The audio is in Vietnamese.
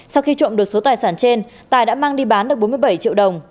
sau khi trộm được số tài sản trên tài đã mang đi bán được bốn mươi bảy triệu đồng